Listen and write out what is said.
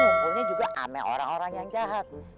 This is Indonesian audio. masih ngumpulnya juga ame orang orang yang jahat